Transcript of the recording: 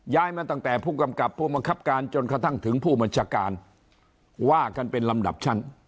มาตั้งแต่ผู้กำกับผู้บังคับการจนกระทั่งถึงผู้บัญชาการว่ากันเป็นลำดับชั้น